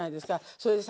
それでさ